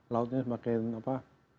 lautnya semakin apa